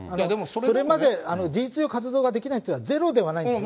それまで、事実上、活動ができないというのは、ゼロではないんです。